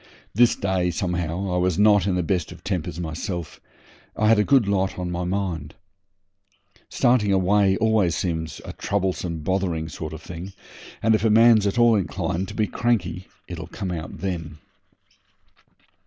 This day, somehow, I was not in the best of tempers myself. I had a good lot on my mind. Starting away seems always a troublesome, bothering sort of thing, and if a man's at all inclined to be cranky it'll come out then.